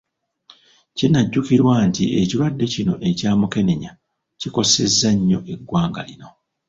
Kinajjukirwa nti ekirwadde kino ekya Mukenenya kikosezza nnyo eggwanga lino.